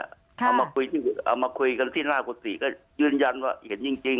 เอามาคุยที่เอามาคุยกันที่หน้ากุฏิก็ยืนยันว่าเห็นจริง